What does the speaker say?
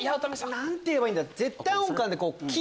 何て言えばいいんだ？